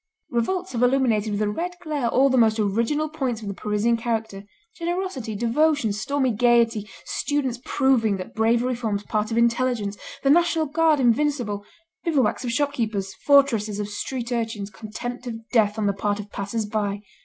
Revolts have illuminated with a red glare all the most original points of the Parisian character, generosity, devotion, stormy gayety, students proving that bravery forms part of intelligence, the National Guard invincible, bivouacs of shopkeepers, fortresses of street urchins, contempt of death on the part of passers by.